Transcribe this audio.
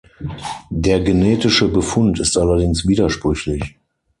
Der genetische Befund ist allerdings widersprüchlich.